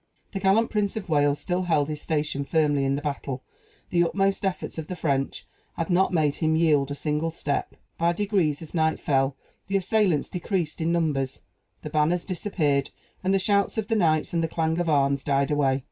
The gallant Prince of Wales still held his station firmly in the battle; the utmost efforts of the French had not made him yield a single step. By degrees, as night fell, the assailants decreased in numbers, the banners disappeared, and the shouts of the knights and the clang of arms died away.